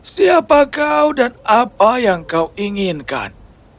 siapa kau dan apa yang kau inginkan